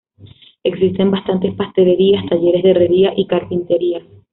Existen bastantes pastelerías, talleres de herrería y carpinterías.